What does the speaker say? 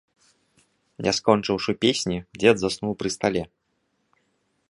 Не скончыўшы песні, дзед заснуў пры стале.